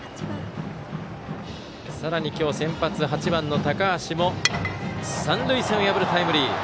さらに今日、先発８番の高橋も三塁線を破るタイムリー。